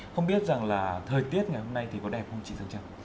không biết rằng là thời tiết ngày hôm nay thì có đẹp không chị dương trang